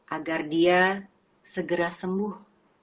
agar dia segera sembuh